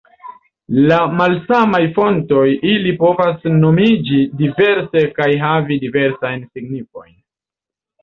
Ĉe malsamaj fontoj ili povas nomiĝi diverse kaj havi diversajn signifojn.